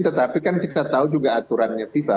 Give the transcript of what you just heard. tetapi kan kita tahu juga aturannya fifa